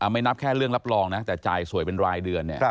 ไม่นับแค่เรื่องรับรองนะแต่จ่ายสวยเป็นรายเดือนเนี่ย